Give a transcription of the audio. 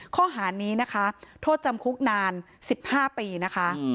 ข้อหานี้นะคะโทษจำคุกนาน๑๕ปีนะคะ